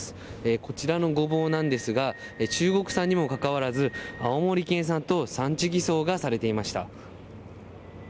こちらのゴボウなんですが、中国産にもかかわらず、青森県産と産地偽装がされていました。